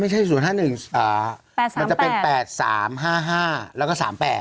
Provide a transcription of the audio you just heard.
๐๕๑มันจะเป็น๘๓๕๕แล้วก็๓๘